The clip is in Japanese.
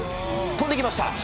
飛んできました。